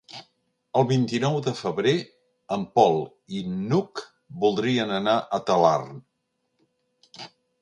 El vint-i-nou de febrer en Pol i n'Hug voldrien anar a Talarn.